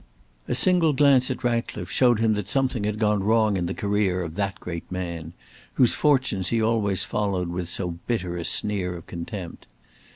A single glance at Ratcliffe showed him that something had gone wrong in the career of that great man, whose fortunes he always followed with so bitter a sneer of contempt.